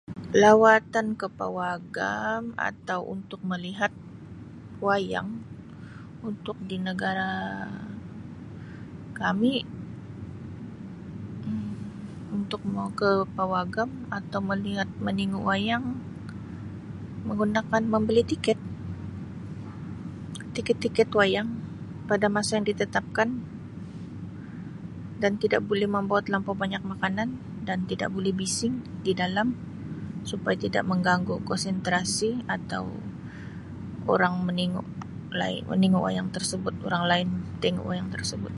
Lawatan ke pawagam atau untuk melihat wayang untuk di negara kami Um untuk mau ke pawagam atau melihat menengok wayang menggunakan membeli tiket- tiket- tiket wayang pada masa yang ditetapkan dan tidak boleh membawa telampau banyak makanan dan tidak boleh bising didalam supaya tidak menggangu kosentrasi atau orang menengok lain menengok wayang tersebut orang lain tengok wayang tersebut